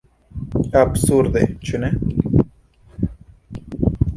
Absurde, ĉu ne?